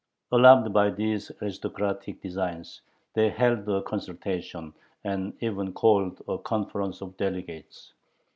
Alarmed by these aristocratic designs, they held a consultation, and even called a conference of delegates.